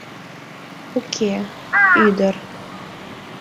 — Уке, ӱдыр!